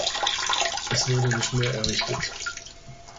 Es wurde nicht mehr errichtet.